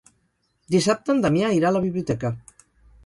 Dissabte en Damià irà a la biblioteca.